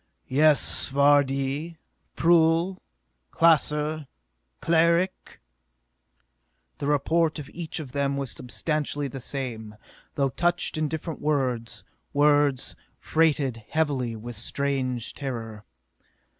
"Yes, Vardee? Prull? Klaser? Cleric?" The report of each of them was substantially the same, though couched in different words, words freighted heavily with strange terror.